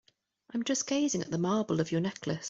I'm just gazing at the marble of your necklace.